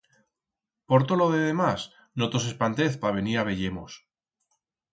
Por tot lo de demás, no tos espantez pa venir a veyer-mos.